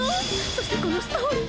そしてこのストーリー！